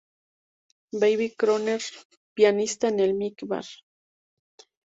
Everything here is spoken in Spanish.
Baby Crooner: Pianista en el Milk Bar.